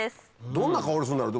どんな香りするんだろう？